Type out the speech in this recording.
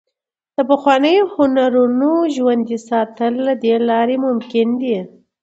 د پخوانیو هنرونو ژوندي ساتل له دې لارې ممکن دي.